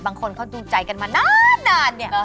บางคนเขาดูใจกันมานานเนี่ย